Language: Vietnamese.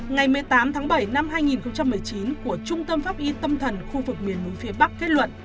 ngày một mươi tám tháng bảy năm hai nghìn một mươi chín của trung tâm pháp y tâm thần khu vực miền núi phía bắc kết luận